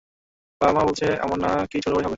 বাবা, মা বলছে আমার না-কি ছোটোভাই হবে।